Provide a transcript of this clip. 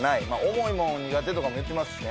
重いもん苦手とかも言ってますしね